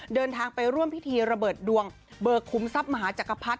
เดินทางไปร่วมพิธีระเบิดดวงเบอร์คุมทรัพย์มหาจักรพรรดิ